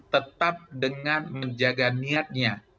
tetap dengan menjaga niatnya